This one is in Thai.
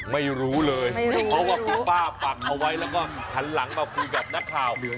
ไม่รู้เลยเพราะว่าคุณป้าปักเอาไว้แล้วก็หันหลังมาคุยกับนักข่าว